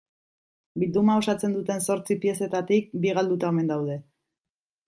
Bilduma osatzen duten zortzi piezetatik bi galduta omen daude.